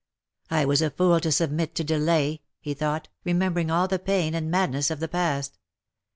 " I was a fool to submit to delay/^ he thought, remembering all the pain and madness of the past.